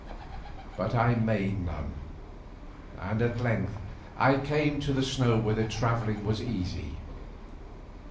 But I made none, and at length I came to the snow where the travelling was easy.